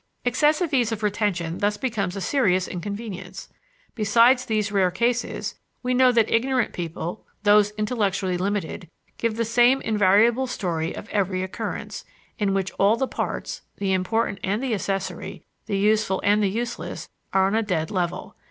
Excessive ease of retention thus becomes a serious inconvenience. Besides these rare cases, we know that ignorant people, those intellectually limited, give the same invariable story of every occurrence, in which all the parts the important and the accessory, the useful and the useless are on a dead level.